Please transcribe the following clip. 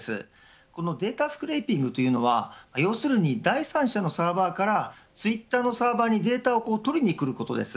この、データスクレイピングというのは、要するに第三者のサーバからツイッターのサーバにデータを取りにくることです。